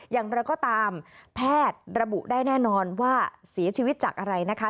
อย่างไรก็ตามแพทย์ระบุได้แน่นอนว่าเสียชีวิตจากอะไรนะคะ